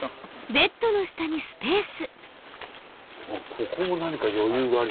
ここも何か余裕がある。